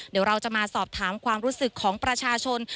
เดี๋ยวเราจะมาสอบถามความรู้สึกของประชาชน